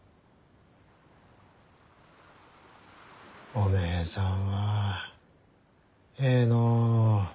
おめえさんはええのう。